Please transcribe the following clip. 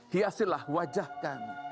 hiasilah wajah kami